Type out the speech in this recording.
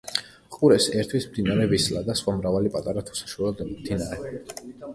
ყურეს ერთვის მდინარე ვისლა და სხვა მრავალი პატარა თუ საშუალო მდინარე.